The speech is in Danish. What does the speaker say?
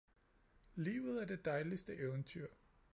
Livet er det dejligste eventyr